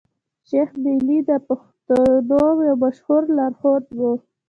شېخ ملي د پښتنو يو مشهور لار ښود وو.